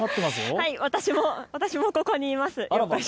私もここにいます。